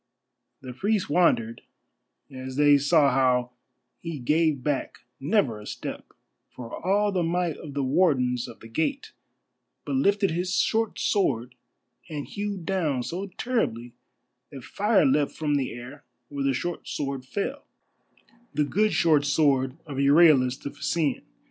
The priests wondered as they saw how he gave back never a step, for all the might of the Wardens of the Gate, but lifted his short sword and hewed down so terribly that fire leapt from the air where the short sword fell, the good short sword of Euryalus the Phæacian.